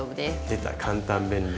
出た簡単便利。